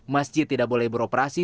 masjid tidak boleh beroperasi